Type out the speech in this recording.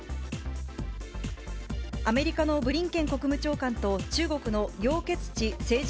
アメリカのブリンケン国務長官と、中国の楊潔チ政治